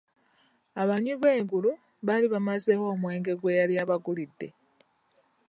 Abanywi b'enguuli baali bamazeeyo omwenge gwe yali abagulidde.